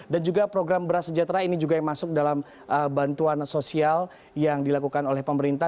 dan juga program beras sejahtera ini juga yang masuk dalam bantuan sosial yang dilakukan oleh pemerintah